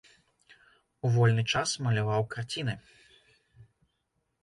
У вольны час маляваў карціны.